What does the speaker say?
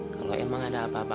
kalau emang ada apa apa